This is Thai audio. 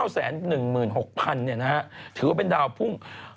๙แสน๑หมื่น๖พันเนี่ยนะฮะถือว่าเป็นดาวพุ่ง